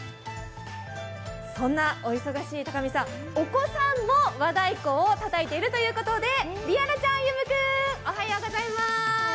そんなお忙しい高見さん、お子さんも和太鼓をたたいているということで凜愛来ちゃん、歩君！